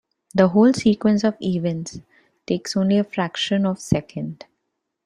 The whole sequence of events takes only a fraction of a second.